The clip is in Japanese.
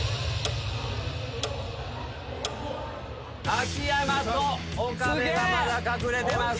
秋山と岡部がまだ隠れてます。